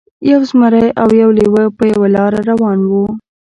یو زمری او یو لیوه په یوه لاره روان وو.